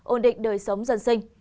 ổn định đời sống dân sinh